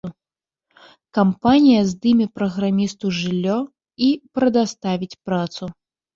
Кампанія здыме праграмісту жыллё і прадаставіць працу!